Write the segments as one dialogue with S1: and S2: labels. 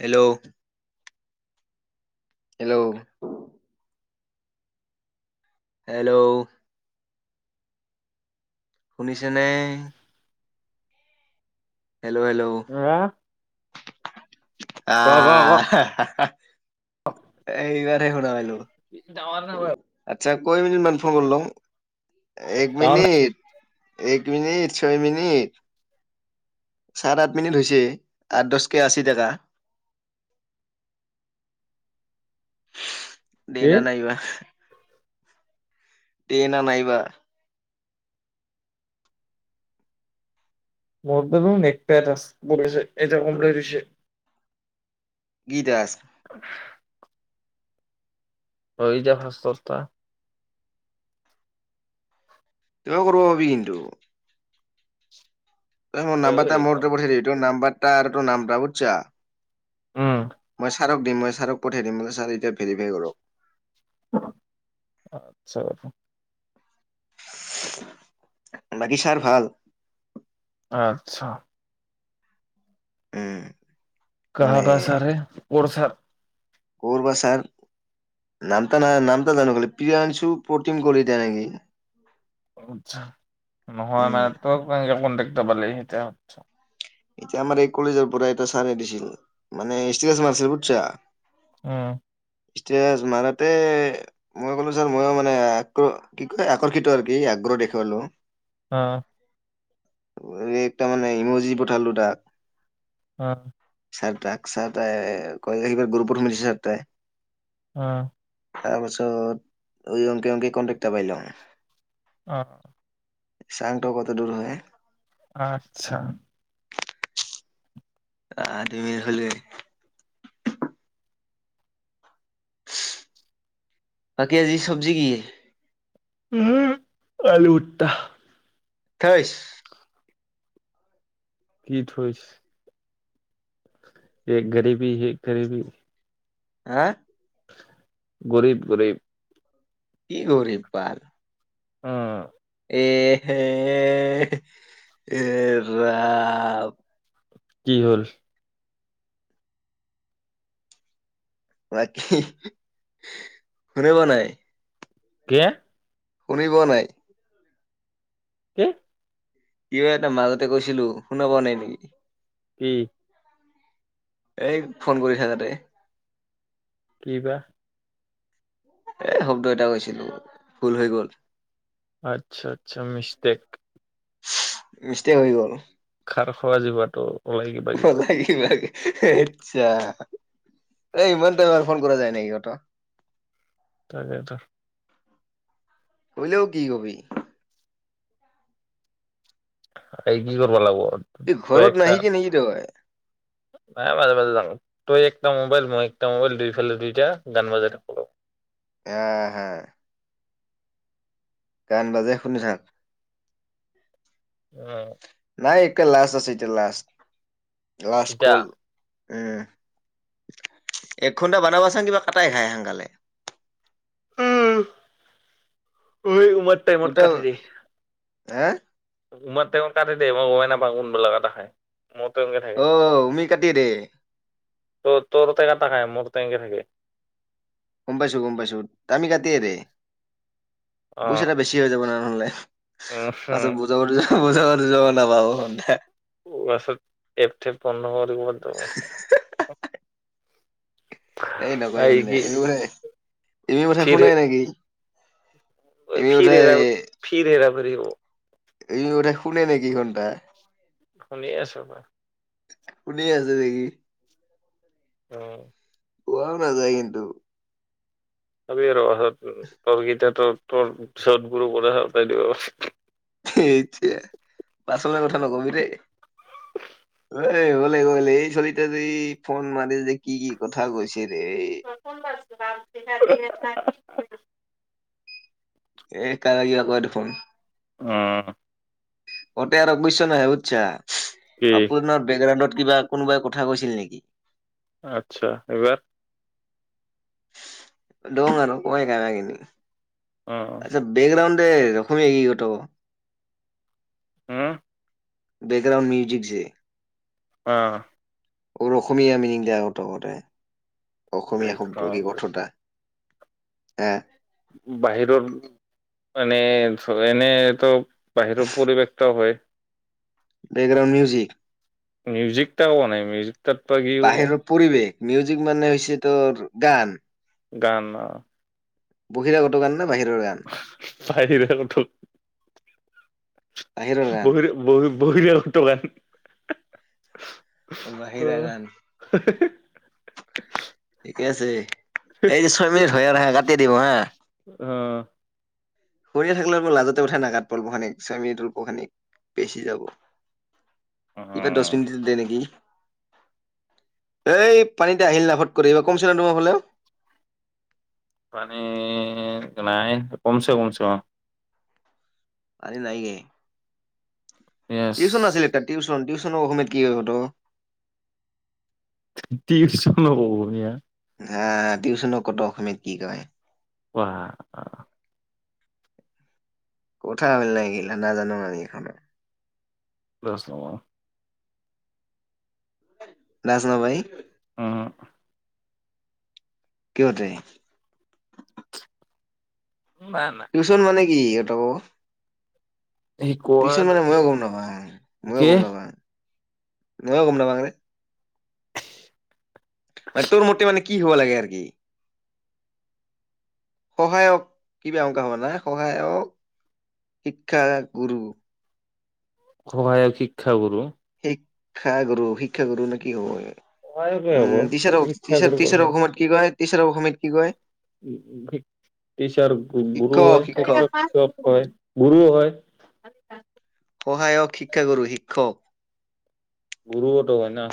S1: Hello hello hello শুনিছেনে? হেল্ল'-হেল্ল'
S2: হা
S1: আ
S2: ক ক ক
S1: হা-হা-হা! এইব শুনা পালোঁ
S2: ডাঙৰ নহয়
S1: আ্াৈ [unintelligible] ম নি মন ফোন কৰিলওঁ এক
S2: ডাঙৰ
S1: মিনিট? এক মিনিট, ছয় মিনিট, চাত আঠ মিনিট হৈছে, আঠ দশকে আশী টকা। দে
S2: কি?
S1: না নাই বা? তে ন নাইবা?
S2: মোৰ দেন এক এটাছে এ কম্ দিছে।
S1: গীতাস
S2: হৈ যে শাস্তা
S1: টোয়ু কৰব পাৰি কিন্তু! তই মোৰ
S2: ঐ
S1: নাম্বাৰতা, মুৰতু পঠাই দিবী, তুৰ নাম্বাৰত আৰু নাম বুজছা [unintelligible]
S2: উম
S1: মই ছাৰক দিম, মই ছাৰক পঠিয়াই দিম বোলে ছাৰ এতিয়া ভেৰিফাই কৰক।
S2: আচছা।
S1: বাকী ছাৰ ভাল?
S2: আচ্ছা।
S1: উম। মানে
S2: কাহাকা চাৰ হে? কৰ চাৰ?
S1: কৰবা ছাৰ! নামতা না নামটা জানো খাললে প্ৰিয়াংশু প্ৰতিম কলিতা নেকি!
S2: আতছা। নহয়
S1: উম,
S2: মানে, তই পৰা ক ব সেইট হ [unintelligible]
S1: এতিয়া আমাৰ এই কলেজৰ পৰা এটা ছাৰ দিছিল মানে [unintelligible] মাৰছিল বুছা।
S2: অঁ।
S1: ই মাৰতে মই কলো ছাৰ মইও মানে আ কি কয় আকৰ্ষিত আৰু কি আগ্ৰহ দেখুৱালো
S2: অহ
S1: একটা মানে ইমজি ঠালো তাক
S2: অ
S1: ছাৰ তাক ছাৰ তাই কৈ কিবাৰ গুৰুপথ মছে ছাৰ তাই
S2: আহ
S1: তাৰপাছত ঐ অংক অংক কনটেকটা পাইল
S2: অ
S1: চাংটো কত দূৰ হয়
S2: আচ্ছা
S1: দুমিল হলে কাকি আজি চব্জি কি?
S2: উম আলু উঠটা
S1: থৈছ
S2: কি থৈছ এ গৰিবী হ গৰিবী
S1: হা
S2: গৰীব গৰীব
S1: কি গৰীব বাল
S2: অ
S1: এ হ এ ৰা
S2: কি হল
S1: বাকী শুনে ব নাই
S2: কে
S1: শুনি পোৱা নাই
S2: কি
S1: কিয় এটা মাজতে কৈছিলো শুনা পোৱা নাই নেকি
S2: কি
S1: এই ফোন কৰিছা তাতে
S2: কি বা
S1: এ শব্দ এটা কৈছিলো ভুল হৈ গল
S2: আচ্ছা আচ্ছা মিষ্টেক
S1: মিষ্টেক হৈ গ'ল
S2: খাৰ খোৱা জিভাটো ওলাই কিবা কিবা
S1: আচ্ছা, এই ইমান টাইমত ফোন কৰা যায় নাই কত
S2: তাকেতো
S1: কয়িলেও কি কবি
S2: এই কি কৰিব লাগিব
S1: এই ঘৰত নাহিবি নিকি তই
S2: হ মাজে মাজে যাও। তই একটা মোবাইল মই একটা মোবাইল দুইফালে দুইটা গান বাজাই থাকো বল
S1: আহ হা গান বাজে শুনিছা
S2: উম
S1: নাই একে লাষ্ট আছে এতিয়া লাষ্ট লাষ্ট
S2: ইতা
S1: কল উম। এক ঘণ্টা বনাবাচোন কিবা কটাই খাই সোনকালে
S2: উম অ ত টাইমত
S1: গোটা
S2: কাটি দে
S1: হা
S2: তোমাৰ তেওঁ কাটি দেই মই গমেই নাপাওঁ কোনবিলাক এটা খাই মোৰ তেনেকে
S1: আহ মি কাটি দে
S2: ত তোৰ তাকাই তাকাই মোৰ তেনেকে থাকে
S1: গম পাইছো গম পাইছো তামি কাটে দে
S2: অ
S1: পইচাটা বেছি হৈ যাব ন নহলে পাছত বুজাব দিব পইচা কাতি গল
S2: ত পাৰছত এপ ঠেপ পন্ধ হোৱাতো ব বহুত ডাঙৰ কথা
S1: এই নকৰিম নে এইটো কথা তেওঁ কথা
S2: ফিৰ হে
S1: শুনাই নাই নেকি এমি কথা
S2: ফিৰ হেৰাব ফিৰ হেৰাব কৰিব
S1: এই টো কথা শুনে নেকি ঘণ্টা
S2: শুনি আছো বাৰু
S1: শুনি আছে নেকি
S2: অ
S1: পোৱাও না যায় কিন্তু
S2: পাবি আৰু পাছত তোৰ গীতাটো তোৰ পি চত গুৰু পদশতাই দিব
S1: সেইতিয়া পাচলে কথা নকবি দেই এ হ'লে গলে এই চলিতে যে ফোন মাৰিল যে কি কি কথা কৈছে ৰে
S2: নাম কেইটা ডিলেট নাই কৰিবি
S1: এ কাৰাগি আকৌ এটো ফোন
S2: আহ
S1: অটে আৰু বুইছ নাই বুছা
S2: কি
S1: আপোনাৰ বেকগ্ৰাউণ্ডত কিবা কোনোবাই কথা কৈছিল নেকি
S2: আটচ্ছা এইবাৰ
S1: দং আৰু ক কাকিন
S2: অ
S1: আচ্ছা বেকগ্ৰাউণ্ড দে ৰখমেই ই গট
S2: হম
S1: বেকগ্ৰাউণ্ড মিউজিক ছে
S2: অ
S1: ৰ অসমীয়া মিনিং দেৰ আৰ কত কতে অসমীয়া এখন
S2: অ
S1: ৰোগী কঠা আহ
S2: বাহিৰৰ এনে এনে তো বাহিৰৰ পৰিৱেশ টাও হয়
S1: বেকগ্ৰাউণ্ড মিউজিক
S2: মিউজিকটা হোৱা নাই মিউজিক তাত বা কি কব
S1: বাহিৰৰ পৰিৱেশ মিউজিক মানে হৈছে তোৰ গান
S2: গান না
S1: বহিৰাগত গান না বাহিৰৰ গান
S2: বাহিৰে উঠো
S1: বাহিৰৰ গান
S2: বহিৰে বহি বহিৰে টোকান
S1: বাহিৰা গান। কছে [unintelligible] এইটো ছয় মিনিট হয় আৰু হা কাটি দিব হা? শুনীয়া থাকিলে মোৰ লাজতে উঠাই নাগাত পলপখানিক, স্বমী তুলপ খানীিক, বেচি যাব।
S2: অ
S1: এইবাৰ দহ মিনিট দে নেকি? এই পানীতে আহিল নাফৰ কৰিবা কমছিলা তমাৰ হলে?
S2: উম্ম নাই। কমছে-কমছে অহ
S1: আ নাইয়ে? টউশন
S2: য়েছ
S1: আছিলে তাৰ, টিউন-টিউন। অসমমেদ কি হৈ হত?
S2: টিউচন হ'ব বঢ়িয়া
S1: হ, টউশনো কত অসমীয়াত কি কৈ?
S2: ৱ আহ [unintelligible]
S1: কোঠথা আমিল নাই গিলা ন জানো আমি এখনেো।
S2: খ [unintelligible]
S1: দাসনা ভাই
S2: আহ
S1: কহট [unintelligible]
S2: নাই নাই
S1: টিউশন মানে কি কি এটো? টিউচন মানে মইো গুম
S2: শিকোৱাতকে
S1: নাপা, ময়ো গুম নাপা। মইও গম নেপায় দেই মানে, টোৰ মতে মানে কি হ'ব লাগে আৰু কি? সহায়ক কিবা অংকা হোৱা নাই? সহায়ক শিক্ষা গুৰু
S2: সহায়ক শিক্ষা কৰো?
S1: শিক্ষা গুৰু, শিক্ষা গুৰু নে কি হব
S2: সহায়কে হ'ব
S1: উম টিচাৰক
S2: শিক্ষাগুৰু
S1: অসমীয়াত কি কয়? ঈশৰৰ অসমিয়াত কি কয়?
S2: উ শিকিচাৰ গুৰু
S1: শিক্ষক
S2: হয়,
S1: শিক্ষক
S2: [unintelligible] শিক্ষক হয় গুৰু হয়।
S1: সহায়ক, শিক্ষাগুৰু, শিক্ষক।
S2: গুৰু টো হয় ন?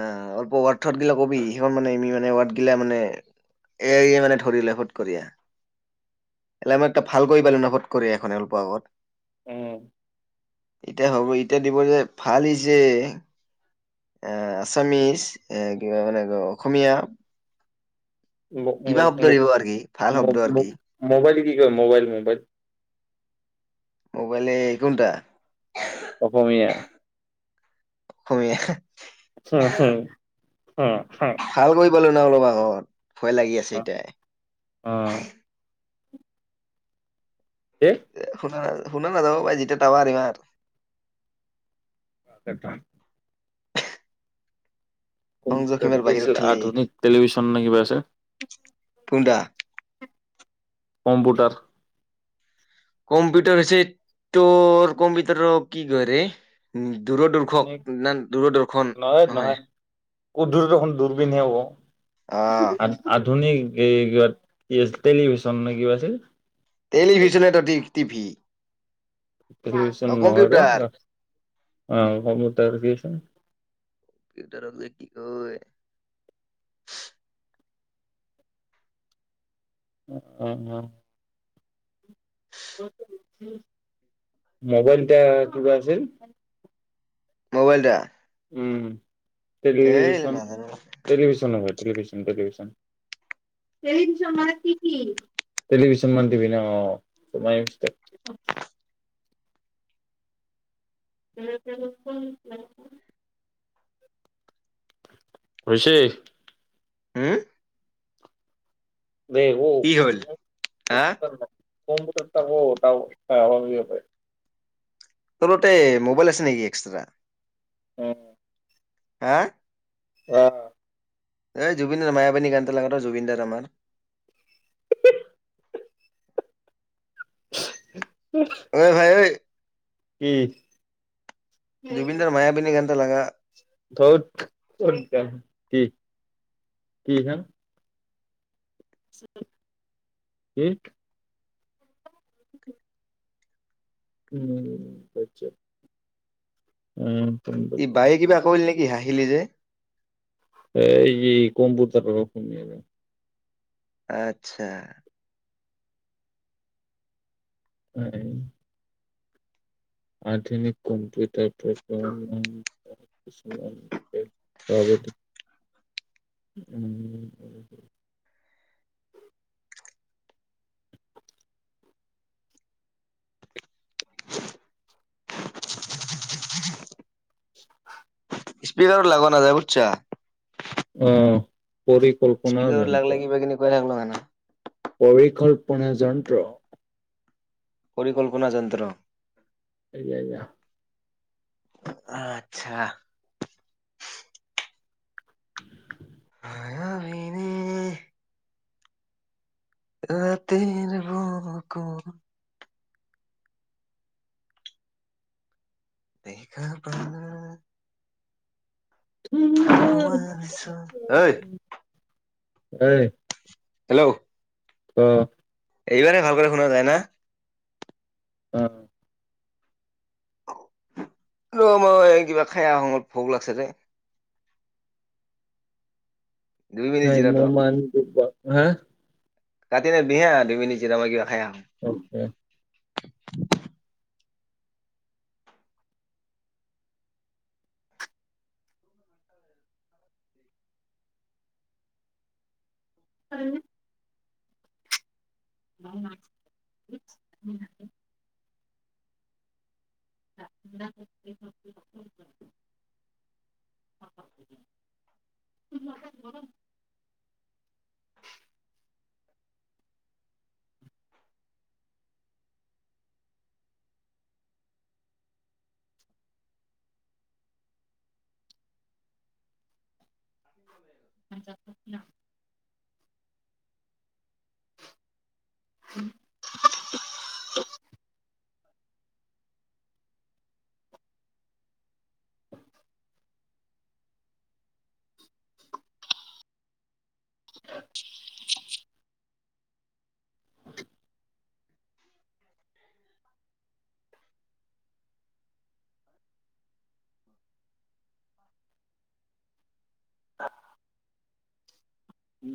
S1: অ অলপ ৱাৰত [unintelligible] গিলা কবি, সেইখন মানেি মানে ৱ্থগিলা মানে এ মানে ধৰিলে ফত কৰিয়া। এল মানে ভাল কৰি পালো ন ফট কয়া সখনে অলপ আগত
S2: উম
S1: এতিয়া হ'ব, এতিয়া দিব যে, ভালি যে এ আছামিজ, এ কিবা মানে অসমীয়া কিবা শব্দ দিব আৰু কি? ভাল শব্দ আৰু কি?
S2: কিঠ মোবাইল-মোবাইল
S1: মোবাইলে কোনটা?
S2: অসমীয়া
S1: অসমীয়া
S2: আছে আছে অ হয় হয়
S1: [unintelligible] অলপ আগত ভয় লাগি আছে এতিয়া এ শুনা নযায় শুন নাযাব পাই জিতিয়া তাবা ইমান
S2: অ সেটোৱেই
S1: সংযোগ
S2: কম্পিউটাৰ
S1: সীমাৰ
S2: কি
S1: বাহিৰত
S2: আছিল
S1: ঠেলি
S2: আধুনিক টেলিভিশ্যন নে কিবা আছে
S1: পন্দ
S2: কম্পোটাৰ
S1: কম্পিউটাৰ হৈছে তো কম্পিউটৰ কি কৰে
S2: নহয় নহয় দুৰদৰ্শন দূৰবিনহে
S1: অ'
S2: ক আধুনিক এই ক টেলিভিশ্যন নে কিবা আছিল
S1: টেলিভিছনে এটা দিশ টিভি
S2: টেলিভিশ্যন
S1: অ'
S2: নহব
S1: কম্পিউটাৰ।
S2: অহ
S1: হয়
S2: উম অ উম মোবাইলটা কিবা আছিল
S1: মোবাইলটা
S2: উম টেলিভিশ্যন
S1: নাজানো
S2: টেলিভিশ্যনৰ টেলিভিশ্যন টেলিভিশ্যন টেলিভিশ্যন মানে টিভি টেলিভিশ্যন মানে টিভি নহয় এ [unintelligible] হৈছে
S1: হম
S2: দে শু
S1: কি হ'ল হা
S2: কম্পিউটাৰ
S1: তোৰ তাতে মোবাইল আছে নেকি এক্সট্ৰা
S2: অহ
S1: হা
S2: অহ
S1: এই জুবিনৰ মায়াবানী গান ত লগাত জুবিনদাৰ আমাৰ
S2: [inaudible]
S1: অ ভাই ঐ
S2: কি
S1: জুবিন দাৰ মায়াবিনি গানটো টো লাগা
S2: থৌত কি কি এখন কি উম উম
S1: ই বায়ে কিবা কৰিল নেকি হাঁহ হাঁহিলি যে
S2: এই যে কম্বুতাৰ ৰম
S1: আত্ছা
S2: নাই আধুনিক কম্পিউটাৰ প্ৰগ্ৰাম কিছুমান পাৰ্গত এ উম
S1: [inaudible]
S2: [unintelligible]
S1: স্পিকাৰত লাগোৱা নাযায় বুজছা
S2: ওহম পৰিকল্পনা
S1: স্পীকাৰত লাগলে
S2: যন্ত্ৰ
S1: কিবা কিনি কৈ থাকলো হয় না
S2: পৰিকল্পনা যন্ত্ৰ
S1: পৰিকল্পনা যন্ত্ৰ
S2: এইয়য়া
S1: আত্ছা
S2: [inaudible]
S1: ময়াবিনি ৰাতিৰ বুকুত দেখা পালো তোমাৰ ছবি ঐ
S2: ঐ
S1: হেল্লও
S2: অহ
S1: এইবাৰেই ভালক শুনা যায় ন
S2: অহ
S1: ৰ মই কিবা খাই আহো ভোক লাগছে যে দুই মিনিট
S2: হয়
S1: জিৰা
S2: মই
S1: ত
S2: মন হা
S1: কাটি দেবিহে দুইমিনিট যেতিয়া মই কিবা খাই আহো
S2: অওকে হয়নে উ উম [unintelligible]
S1: যাব
S2: আ সপ্ ন [unintelligible] [unintelligible]
S1: আ [inaudible]
S2: উম